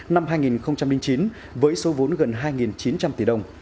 năm hai nghìn chín với số vốn gần hai chín trăm linh tỷ đồng